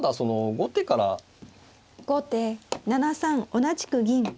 後手７三同じく銀。